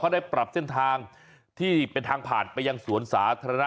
ได้ปรับเส้นทางที่เป็นทางผ่านไปยังสวนสาธารณะ